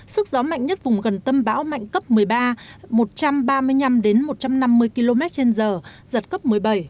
sức gió mạnh nhất vùng gần tâm bão mạnh cấp một mươi ba một trăm ba mươi năm một trăm năm mươi km trên giờ giật cấp một mươi bảy